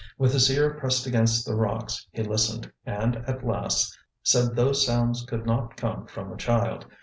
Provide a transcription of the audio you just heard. With his ear pressed against the rocks he listened; and, at last, said those sounds could not come from a child.